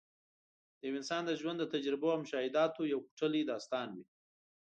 د یو انسان د ژوند د تجربو او مشاهداتو یو کوټلی داستان وي.